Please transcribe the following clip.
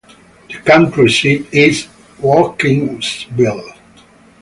The county seat is Watkinsville.